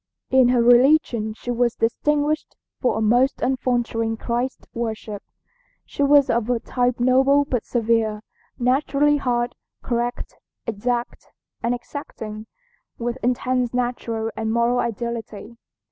"In her religion she was distinguished for a most unfaltering Christ worship. She was of a type noble but severe, naturally hard, correct, exact and exacting, with intense natural and moral ideality.